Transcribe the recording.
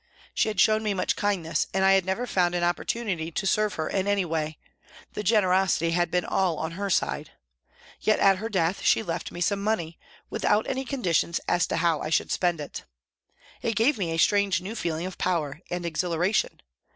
She had shown me much kindness and I had never found an opportunity to serve her in any way, the generosity had been all on her side ; yet, at her death, she left me some money, without any conditions as to how I should spend it. It gave me a strange new feeling of power and exhilaration.